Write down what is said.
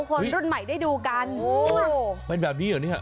คนรุ่นใหม่ได้ดูการโอ้ววแบบนี้หรอนี่ค่ะ